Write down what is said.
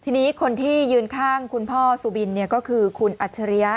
ทีนี้คนที่ยืนข้างคุณพ่อสุบินก็คือคุณอัจฉริยะ